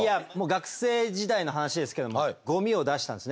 学生時代の話ですけどもゴミを出したんですね。